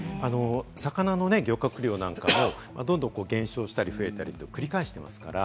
魚の漁獲量なんかもどんどん減少したり増えたり、繰り返していますから。